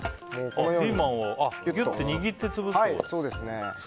ピーマンをぎゅって握って潰すんだ。